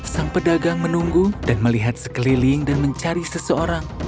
sang pedagang menunggu dan melihat sekeliling dan mencari seseorang